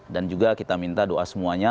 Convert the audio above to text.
dan juga kita minta doa semuanya